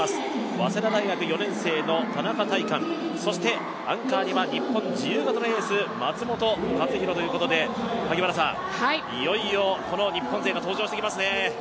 早稲田大学４年生の田中大寛、そしてアンカーには日本自由形のエース・松元克央ということでいよいよこの日本勢が登場してきますね。